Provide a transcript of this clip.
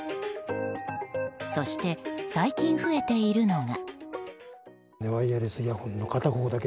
そして、最近増えているのが。